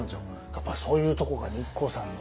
やっぱそういうとこがねＩＫＫＯさんの。